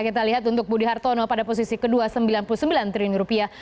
kita lihat untuk budi hartono pada posisi kedua sembilan puluh sembilan triliun rupiah